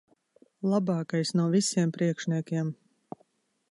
Labākais no visiem priekšniekiem.